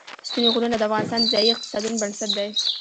ستوني غرونه د افغانستان د ځایي اقتصادونو بنسټ دی.